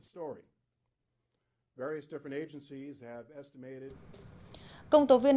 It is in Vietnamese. công tố viên đặc biệt của washington